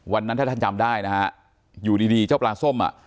วันนั้นถ้าท่านจำได้นะฮะอยู่ดีดีเจ้าปลาส้มอ่ะ